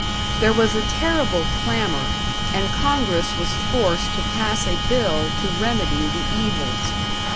There was a terrible clamor, and Congress was forced to pass a bill to remedy the evils.